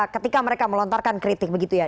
ketika mereka melontarkan kritik begitu ya